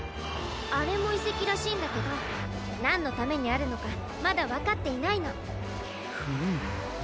あれもいせきらしいんだけどなんのためにあるのかまだわかっていないの。フム。